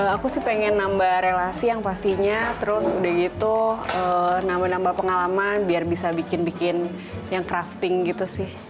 aku sih pengen nambah relasi yang pastinya terus udah gitu nambah nambah pengalaman biar bisa bikin bikin yang crafting gitu sih